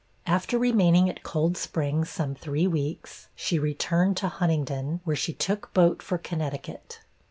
After remaining at Cold Springs some three weeks, she returned to Huntingdon, where she took boat for Connecticut.